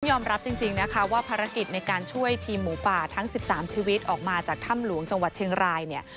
ยอมรับจริงนะคะว่าภารกิจในการช่วยทีมหมูป่าทั้ง๑๓ชีวิตออกมาจากถ้ำหลวงจังหวัดเชียงรายเนี่ย